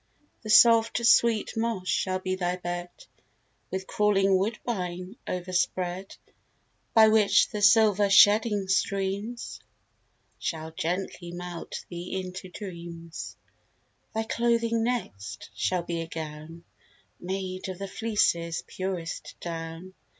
The soft sweet moss shall be thy bed, With crawling woodbine over spread: By which the silver shedding streams Shall gently melt thee into dreams. Thy clothing next, shall be a gown Made of the fleeces' purest down.